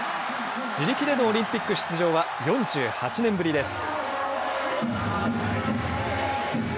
自力でのオリンピック出場は４８年ぶりです。